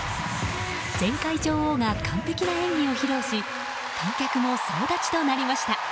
前回女王が完璧な演技を披露し観客も総立ちとなりました。